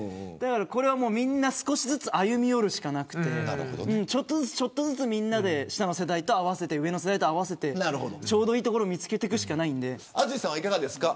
これは、みんな少しずつ歩み寄るしかなくてちょっとずつ、ちょっとずつみんなで下の世代と上の世代と合わせてちょうどいいところ見つけていくしかないので。